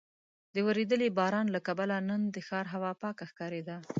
د ورېدلي باران له کبله نن د ښار هوا پاکه ښکارېده.